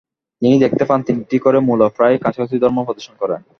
তিনি দেখতে পান তিনটি করে মৌল প্রায় কাছাকাছি ধর্ম প্রদর্শন করে।